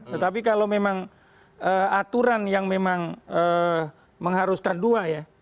tetapi kalau memang aturan yang memang mengharuskan dua ya